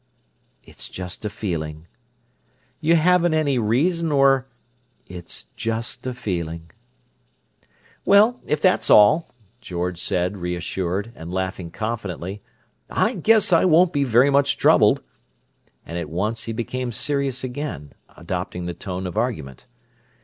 "It's just a feeling." "You haven't any reason or—" "It's just a feeling." "Well, if that's all," George said, reassured, and laughing confidently, "I guess I won't be very much troubled!" But at once he became serious again, adopting the tone of argument.